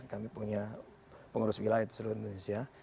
kami punya pengurus wilayah di seluruh indonesia